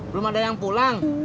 belum ada yang pulang